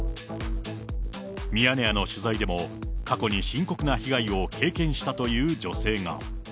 ミヤネ屋の取材でも、過去に深刻な被害を経験したという女性が。